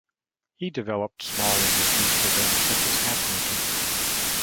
He developed small industries for them, such as hat making.